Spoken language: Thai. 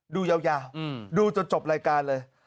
ดูยาวดูจนจบรายการเลย